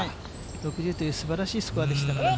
６０という、すばらしいスコアでしたから。